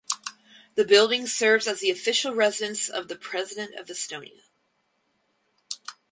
The building serves as the Official residence of the President of Estonia.